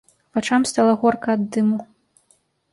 Вачам стала горка ад дыму.